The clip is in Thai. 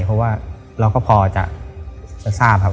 เพราะว่าเราก็พอจะทราบครับ